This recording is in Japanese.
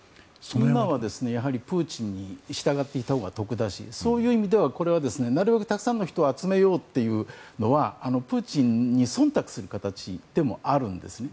今はプーチンに従っていたほうが得だしそういう意味ではなるべくたくさんの人を集めようというのはプーチンに忖度する形でもあるんですね。